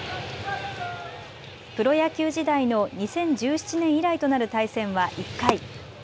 プロ野球時代の２０１７年以来となる対戦は１回。